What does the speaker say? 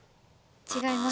違います。